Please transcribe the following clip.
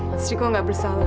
mas niko nggak bersalah